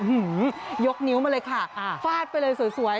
ยกนิ้วมาเลยค่ะฟาดไปเลยสวย